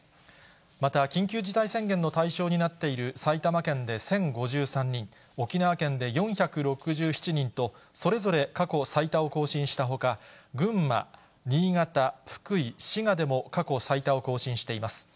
また、緊急事態宣言の対象になっている埼玉県で１０５３人、沖縄県で４６７人と、それぞれ過去最多を更新したほか、群馬、新潟、福井、滋賀でも過去最多を更新しています。